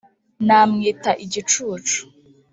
namwita igicucu